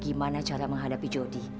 gimana cara menghadapi jody